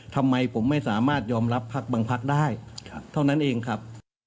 ทำไมผมไม่สามารถยอมรับพักบางพักได้เท่านั้นเองครับ